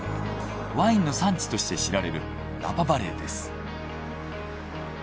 ワインの産地として知られるナパ・バレーです。